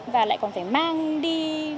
và lại còn phải mang đi